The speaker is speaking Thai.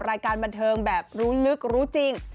รายการบันเทิงแบบรู้ลึกรู้จริง